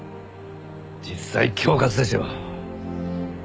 実際恐喝ですよ。